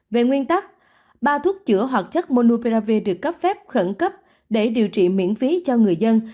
về nguyên tắc ba thuốc chữa hoạt chất monuprav được cấp phép khẩn cấp để điều trị miễn phí cho người dân